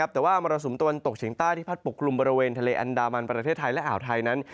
แต่ว่ามรสุมตะวันตกเฉียงใต้ที่พัดปกกลุ่มบริเวณทะเลอันดามันประเทศไทยและอ่าวไทยนั้น